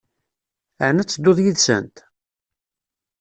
Ɛni ad tedduḍ yid-sent?